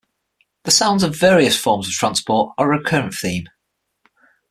The sounds of various forms of transport are a recurrent theme.